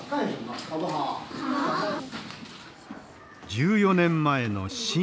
１４年前の新雨。